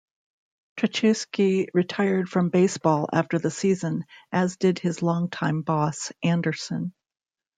Tracewski retired from baseball after the season, as did his long-time boss, Anderson.